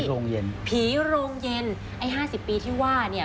โรงเย็นผีโรงเย็นไอ้ห้าสิบปีที่ว่าเนี่ย